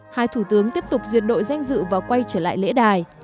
hai thủ tướng tiếp tục duyệt đội danh dự và quay trở lại lễ đài